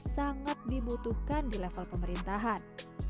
sangat dibutuhkan di level pemerintahan